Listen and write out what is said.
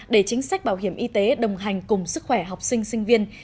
để chính sách bảo hiểm y tế đồng hành cùng sức khỏe học sinh sinh viên